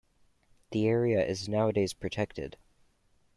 The area is nowadays protected.